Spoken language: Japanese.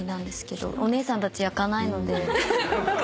お姉さんたち焼かないので。